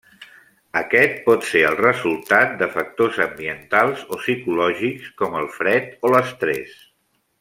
Aquest pot ser el resultat de factors ambientals o psicològics com el fred o l'estrès.